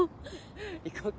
行こうか。